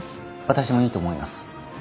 私もいいと思います。